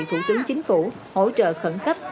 thủ tướng chính phủ hỗ trợ khẩn cấp